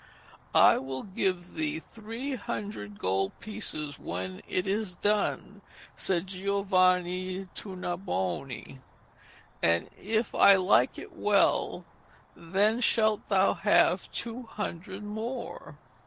'I will give thee twelve hundred gold pieces when it is done,' said Giovanni Tournabuoni, 'and if I like it well, then shalt thou have two hundred more.'